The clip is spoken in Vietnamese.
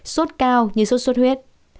sốt cao như sốt suốt huyết